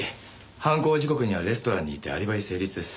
犯行時刻にはレストランにいてアリバイ成立です。